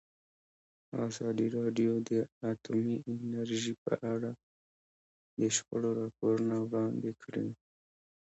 ازادي راډیو د اټومي انرژي په اړه د شخړو راپورونه وړاندې کړي.